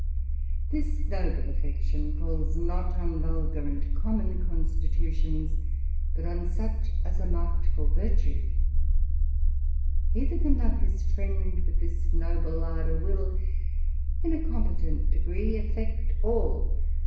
This noble affection falls not on vulgar and common constitutions, but on such as are mark'd for virtue: he that can love his friend with this noble ardour, will in a competent degree affect all.